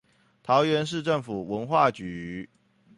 桃園市政府文化局